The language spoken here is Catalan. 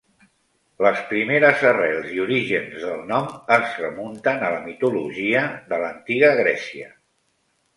Les primeres arrels i orígens del nom es remunten a la mitologia de l'Antiga Grècia.